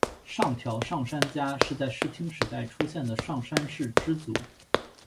上条上杉家是在室町时代出现的上杉氏支族。